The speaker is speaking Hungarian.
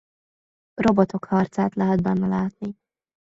Robotok harcát lehet benne látni.